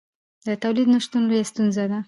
د تولید نشتون لویه ستونزه ده.